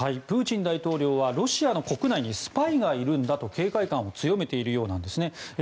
プーチン大統領はロシアの国内にスパイがいるんだと警戒感を強めているようなんですね。